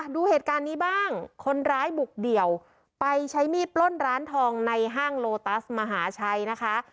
ดูเหตุการณ์นี้บ้างคนร้ายบุกเดี่ยวไปใช้มีดปล้นร้านทองในห้างโลตัสมหาชัยนะคะ